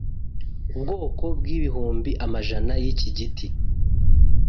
Ubwoko bwibihumbi amajana yiki giti